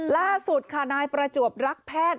ล่าสุดค่ะนายประจวบรักแพทย์